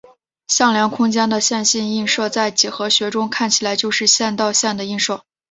向量空间的线性映射在几何学中看起来就是线到线的映射。